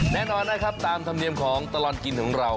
แน่นอนนะครับตามธรรมเนียมของตลอดกินของเรา